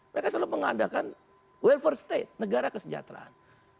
mereka selalu mengadakan welfare state negara kesejahteraan